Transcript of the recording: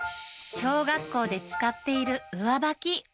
小学校で使っている上履き。